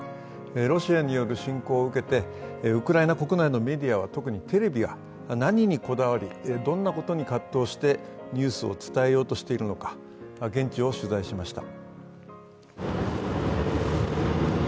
ロシアによる侵攻を受けてウクライナ国内のメディアは特にテレビは何にこだわり、どんなことに葛藤してニュースを伝えようとしているのか、現地を取材しました。